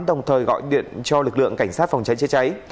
đồng thời gọi điện cho lực lượng cảnh sát phòng cháy chữa cháy